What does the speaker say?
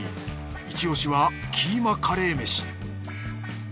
イチオシはキーマカレーメシ。